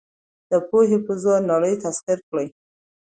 د پوهې په زور نړۍ تسخیر کړئ.